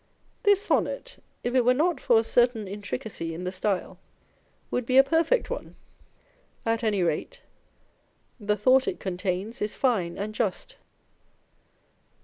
This Sonnet, if it were not for a certain intricacy in the style, would be a perfect one : at any rate, the thought it contains is fine and just.